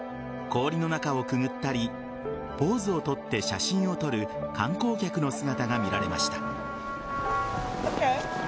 氷の中をくぐったりポーズをとって写真を撮る観光客の姿が見られました。